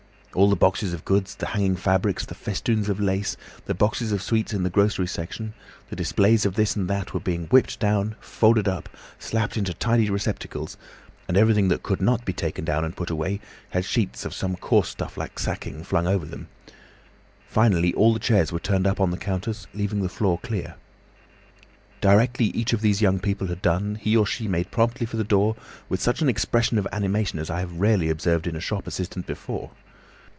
All the boxes of goods, the hanging fabrics, the festoons of lace, the boxes of sweets in the grocery section, the displays of this and that, were being whipped down, folded up, slapped into tidy receptacles, and everything that could not be taken down and put away had sheets of some coarse stuff like sacking flung over them. Finally all the chairs were turned up on to the counters, leaving the floor clear. Directly each of these young people had done, he or she made promptly for the door with such an expression of animation as I have rarely observed in a shop assistant before.